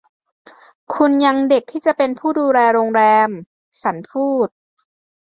คุณยังเด็กที่จะเป็นผู้ดูแลโรงแรม” ฉันพูด